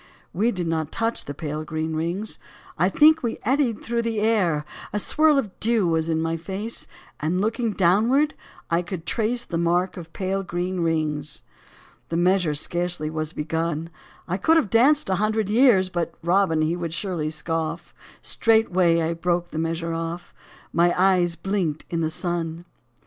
65 We did not touch the pale, green rings, I think we eddied through the air ; A swirl of dew was in my face, And, looking downward, I could trace The mark of pale, green rings. The measure scarcely was begun ; I could have danced a hundred years I But Robin, he would surely scoff — Straightway I broke the measure off : My eyes blinked in the sun.